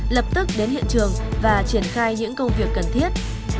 lập tức đến hiện trường và triển khai những công việc cần thiết